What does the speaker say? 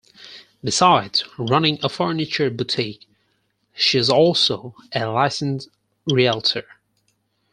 Besides running a furniture boutique, she's also a licensed Realtor.